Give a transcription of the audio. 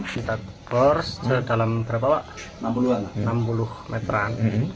kita borse ke dalam enam puluh meteran